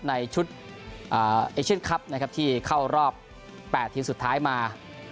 ในชุดเอเชียนคลับนะครับที่เข้ารอบ๘ทีมสุดท้ายมา